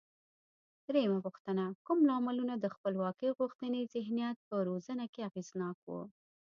درېمه پوښتنه: کوم لاملونه د خپلواکۍ غوښتنې ذهنیت په روزنه کې اغېزناک و؟